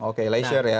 oke laser ya